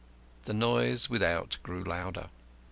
The noise without grew louder.